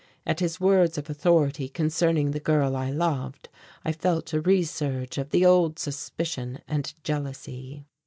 At his words of authority concerning the girl I loved I felt a resurge of the old suspicion and jealousy.